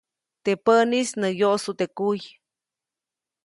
Teʼ päʼnis nä wyoʼsu teʼ kuy.